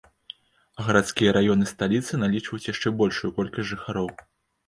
А гарадскія раёны сталіцы налічваюць яшчэ большую колькасць жыхароў.